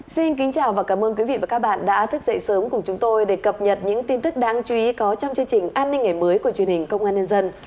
xin kính chào và cảm ơn quý vị và các bạn đã thức dậy sớm cùng chúng tôi để cập nhật những tin tức đáng chú ý có trong chương trình an ninh ngày mới của truyền hình công an nhân dân